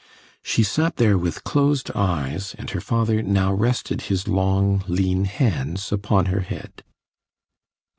She sat there with closed eyes, and her father now rested his long, lean hands upon her head.